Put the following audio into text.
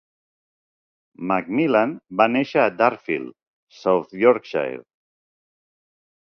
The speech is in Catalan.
McMillan va néixer a Darfield, South Yorkshire.